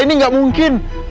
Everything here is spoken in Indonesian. ini gak mungkin